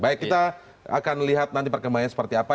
baik kita akan lihat nanti perkembangannya seperti apa